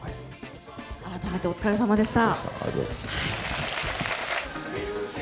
改めてお疲れさまでした。